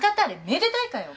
めでたいかよ